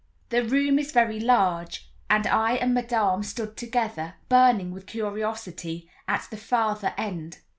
The room is very large, and I and Madame stood together, burning with curiosity, at the farther end.